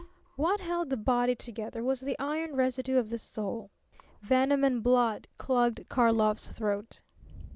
What held the body together was the iron residue of the soul. Venom and blood clogged Karlov's throat.